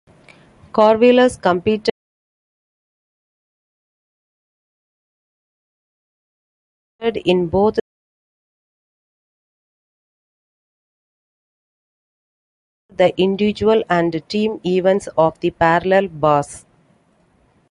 Karvelas competed in both the individual and team events of the parallel bars.